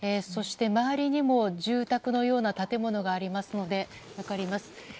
周りにも住宅のような建物があるのが分かります。